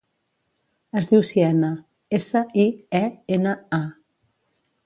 Es diu Siena: essa, i, e, ena, a.